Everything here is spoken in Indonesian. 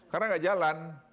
karena tidak jalan